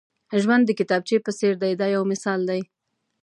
ژوند د کتابچې په څېر دی دا یو مثال دی.